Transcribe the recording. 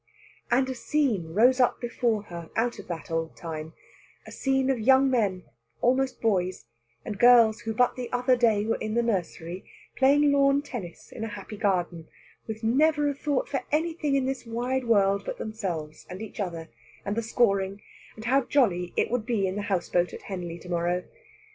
And a scene rose up before her out of that old time a scene of young men, almost boys, and girls who but the other day were in the nursery, playing lawn tennis in a happy garden, with never a thought for anything in this wide world but themselves, and each other, and the scoring, and how jolly it would be in the house boat at Henley to morrow.